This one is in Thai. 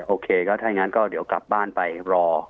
โอเคถ้างั้นก็เดี๋ยวกลับบ้านไปรอ